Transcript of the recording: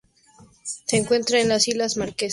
Se encuentra en las islas Marquesas.